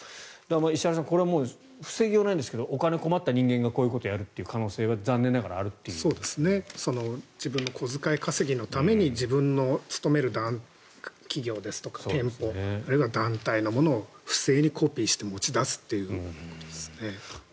石原さんこれは防ぎようがないのですがお金に困った人間がこういうことをやる可能性は自分の小遣い稼ぎのために自分の勤める企業ですとか店舗あるいは団体のものを不正にコピーして持ち出すということですね。